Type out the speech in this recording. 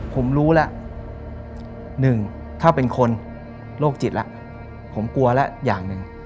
ผมรู้แล้วหนึ่งถ้าเป็นคนโรคจิตแล้วผมกลัวแล้วอย่างหนึ่ง